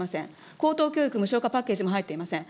高等教育無償化パッケージも入っていません。